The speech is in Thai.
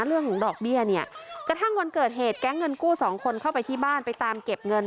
เรื่องของดอกเบี้ยเนี่ยกระทั่งวันเกิดเหตุแก๊งเงินกู้สองคนเข้าไปที่บ้านไปตามเก็บเงิน